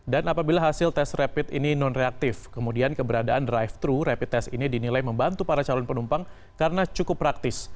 apabila hasil tes rapid ini non reaktif kemudian keberadaan drive thru rapid test ini dinilai membantu para calon penumpang karena cukup praktis